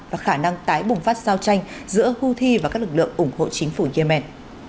và khả năng tái bùng phát giao tranh giữa houthi và các lực lượng ủng hộ chính phủ yemen